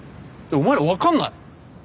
お前らわかんない？